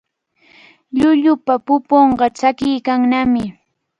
Llullupa pupunqa tsakiykannami.